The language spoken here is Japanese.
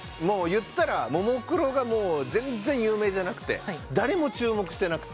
言ったらももクロが全然有名じゃなくて誰も注目してなくて。